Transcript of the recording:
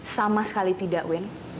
sama sekali tidak win